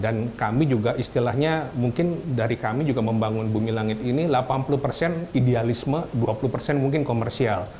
dan kami juga istilahnya mungkin dari kami juga membangun bumi langit ini delapan puluh idealisme dua puluh mungkin komersial